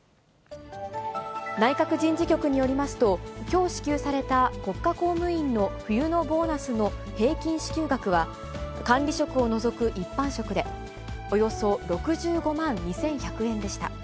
内閣人事局によりますと、きょう支給された国家公務員の冬のボーナスの平均支給額は、管理職を除く一般職で、およそ６５万２１００円でした。